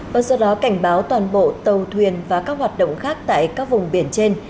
và sau đó cảnh báo toàn bộ tàu thuyền và các hoạt động khác tại các vùng biển trên